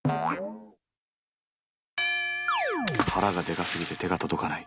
腹がデカすぎて手が届かない。